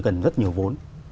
cần rất nhiều vốn